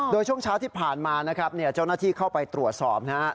โดยช่วงเช้าที่ผ่านมานะครับเจ้าหน้าที่เข้าไปตรวจสอบนะฮะ